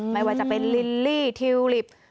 ไม่ว่าจะเป็นลิลลี่ทิวลิป